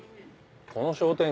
この商店街